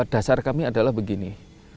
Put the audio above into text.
dasar kami adalah begini